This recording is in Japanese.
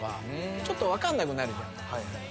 ちょっと分かんなくなるじゃん。